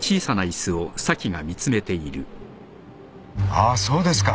あぁそうですか。